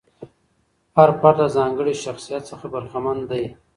هر فرد له ځانګړي شخصیت څخه برخمن دی.